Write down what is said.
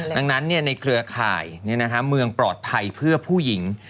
ดังนั้นในเครือข่ายเมืองปลอดภัยเพื่อผู้หญิง